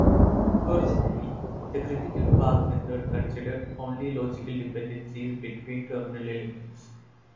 Originally, the critical path method considered only logical dependencies between terminal elements.